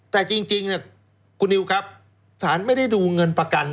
แต่จริงคุณนิวครับสารไม่ได้ดูเงินประกัน